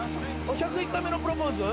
『１０１回目のプロポーズ』？